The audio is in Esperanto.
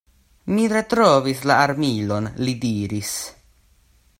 Mi retrovis la armilon, li diris.